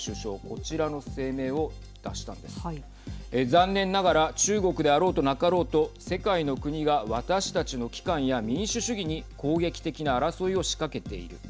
残念ながら中国であろうとなかろうと世界の国が私たちの機関や民主主義に攻撃的な争いを仕掛けている。